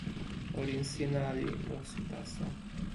olin sina li musi taso.